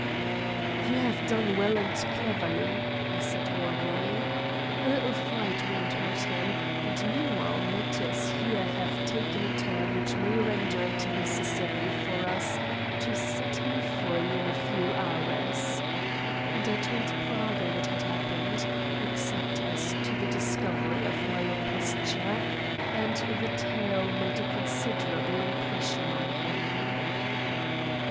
"You have done well and cleverly," I said warmly. "A little fright won't hurt him, and meanwhile matters here have taken a turn which may render it necessary for us to set him free in a few hours," and I told Praga what had happened except as to the discovery of my imposture and the tale made a considerable impression on him.